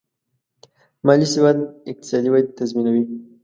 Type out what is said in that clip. مالي سواد د اقتصادي ودې تضمینوي.